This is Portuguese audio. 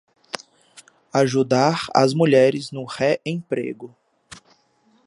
Ajudar as mulheres no re-emprego